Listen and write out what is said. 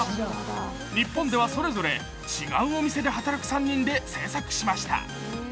日本ではそれぞれ違うお店で働く３人で制作しました。